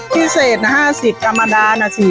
พิเศษนะ๕๐ธรรมดานะสิ